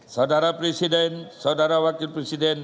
saudara presiden saudara wakil presiden